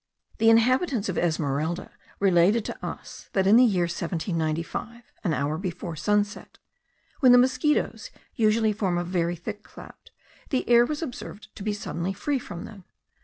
The inhabitants of Esmeralda related to us, that in the year 1795, an hour before sunset, when the mosquitos usually form a very thick cloud, the air was observed to be suddenly free from them.